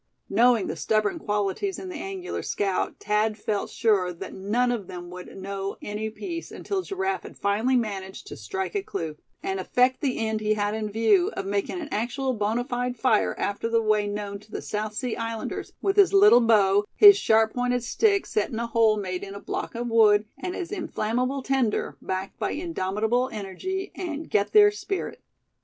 Knowing the stubborn qualities in the angular scout Thad felt sure that none of them would know any peace until Giraffe had finally managed to strike a clue, and effect the end he had in view, of making an actual boni fide fire after the way known to the South Sea Islanders, with his little bow, his sharp pointed stick set in a hole made in a block of wood, and his inflammable tinder, backed by indomitable energy, and "get there" spirit.